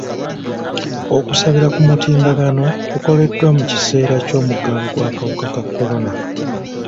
Okusabira ku mutimbagano kukoleddwa mu kiseera ky'omuggalo gw'akawuka ka kolona.